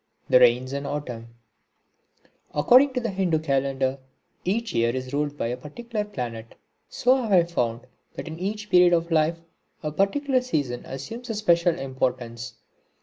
(43) The Rains and Autumn According to the Hindu calendar, each year is ruled by a particular planet. So have I found that in each period of life a particular season assumes a special importance.